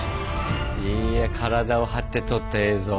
いや体を張って撮った映像。